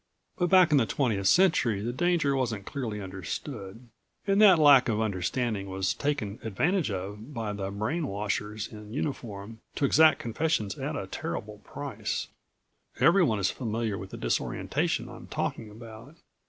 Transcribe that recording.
But back in the twentieth century the danger wasn't clearly understood, and that lack of understanding was taken advantage of by the brain washers in uniform to exact confessions at a terrible price. Everyone is familiar with the disorientation I'm talking about.